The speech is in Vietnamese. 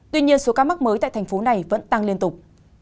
tuy nhiên số ca mắc mới tại thành phố này vẫn tăng liên tục